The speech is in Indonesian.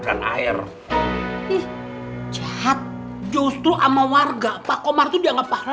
kenapa harus sama anaknya pak komas sih pih